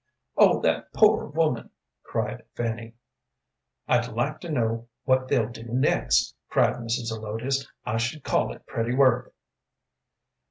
"Oh, that poor woman!" cried Fanny. "I'd like to know what they'll do next," cried Mrs. Zelotes. "I should call it pretty work."